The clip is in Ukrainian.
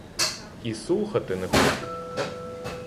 І слухати не хочуть!